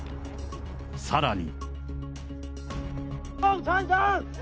さらに。